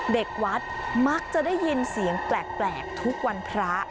เด็กวัดมักจะได้ยินเสียงแปลกทุกวันพระ